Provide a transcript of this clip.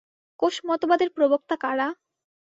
কোষ মতবাদের প্রবক্তা কারা?